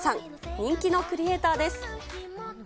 人気のクリエーターです。